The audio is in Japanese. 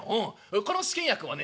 この試験薬はね